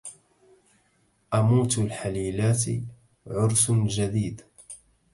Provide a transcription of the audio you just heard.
أموت الحليلات عرس جديد